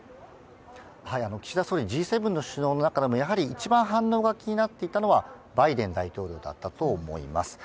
岸田総理、Ｇ７の首脳の中でも一番反応が気になっていたのはバイデン大統領だったと思います。